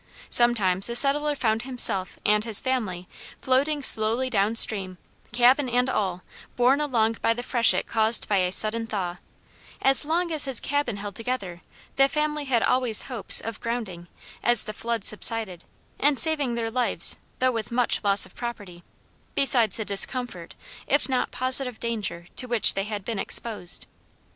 Sometimes the settler found himself and family floating slowly down stream, cabin and all, borne along by the freshet caused by a sudden thaw: as long as his cabin held together, the family had always hopes of grounding as the flood subsided and saving their lives though with much loss of property, besides the discomfort if not positive danger to which they had been exposed.